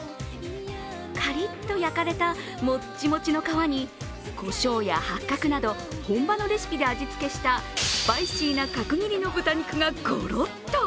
カリッと焼かれたもっちもちの皮にこしょうや八角など、本場のレシピで味付けしたスパイシーな角切りの豚肉がゴロッと。